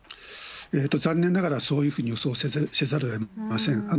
残念ながらそういうふうに予想せざるをえません。